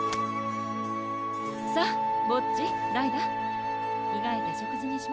さあボッジダイダ着替えて食事にしましょう。